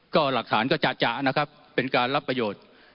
ก็หลักฐานก็จะนะครับเป็นการรับประโยชน์